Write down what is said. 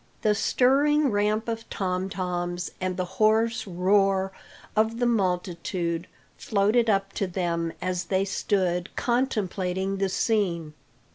The stirring ramp of tom toms, and the hoarse roar of the multitude, floated up to them as they stood contemplating the scene.